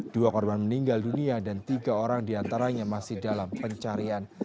dua korban meninggal dunia dan tiga orang diantaranya masih dalam pencarian